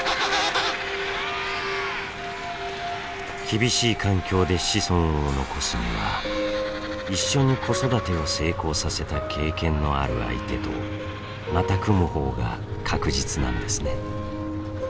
厳しい環境で子孫を残すには一緒に子育てを成功させた経験のある相手とまた組む方が確実なんですね。